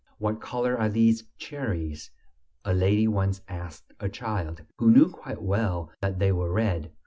"What color are these cherries?" a lady once asked a child, who knew quite well that they were red.